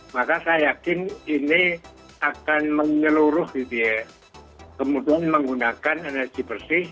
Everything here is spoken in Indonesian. maka saya yakin ini akan menyeluruh gitu ya kemudian menggunakan energi bersih